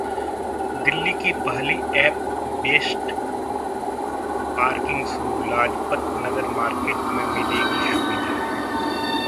दिल्ली की पहली App based parking शुरू, लाजपत नगर मार्केट में मिलेगी सुविधा